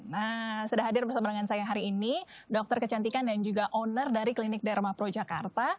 nah sudah hadir bersama dengan saya hari ini dokter kecantikan dan juga owner dari klinik dharma pro jakarta